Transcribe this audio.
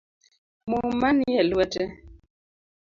Muma nie lwete